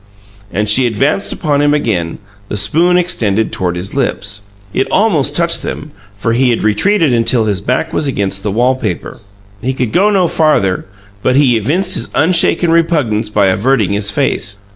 And she advanced upon him again, the spoon extended toward his lips. It almost touched them, for he had retreated until his back was against the wall paper. He could go no farther; but he evinced his unshaken repugnance by averting his face.